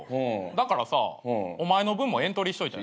だからさお前の分もエントリーしといた。